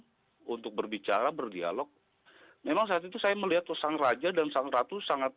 saya untuk berbicara berdialog memang saat itu saya melihat tuh sang raja dan sang ratu sangat